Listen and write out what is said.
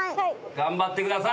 頑張ってください。